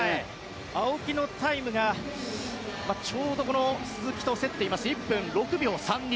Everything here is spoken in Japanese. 青木のタイムがちょうど鈴木と競っていまして１分６秒３２。